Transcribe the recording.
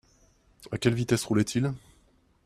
À quelle vitesse roulait-il ?